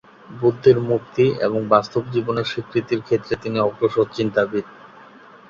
বুদ্ধির মুক্তি এবং বাস্তব জীবনের স্বীকৃতির ক্ষেত্রে তিনি অগ্রসর চিন্তাবিদ।